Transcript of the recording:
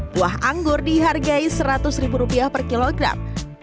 buah anggur dihargai seratus ribu rupiah per kilogram